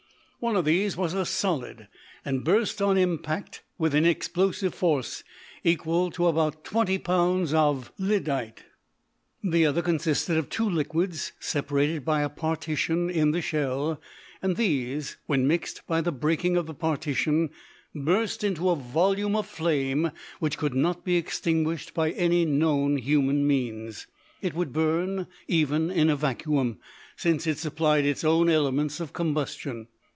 One of these was a solid, and burst on impact with an explosive force equal to about twenty pounds of lyddite. The other consisted of two liquids separated by a partition in the shell, and these, when mixed by the breaking of the partition, burst into a volume of flame which could not be extinguished by any known human means. It would burn even in a vacuum, since it supplied its own elements of combustion.